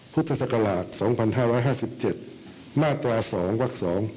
พุทธศักราช๒๕๕๗มาตรา๒วัก๒